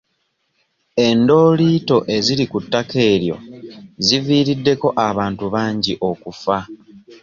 Endooliito eziri ku ttaka eryo ziviiriddeko abantu bangi okufa.